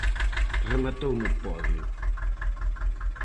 Rematou no podio.